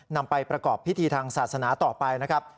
นำไปประกอบพิธีทางศาสนาต่อไปนะครับ